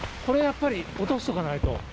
これ、やっぱり落としとかないと。